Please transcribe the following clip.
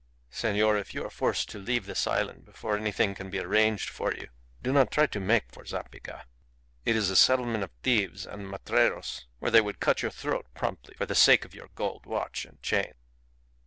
Senor, if you are forced to leave this island before anything can be arranged for you, do not try to make for Zapiga. It is a settlement of thieves and matreros, where they would cut your throat promptly for the sake of your gold watch and chain.